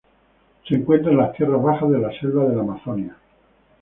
Se encuentra en las tierras bajas de la selva de la Amazonía.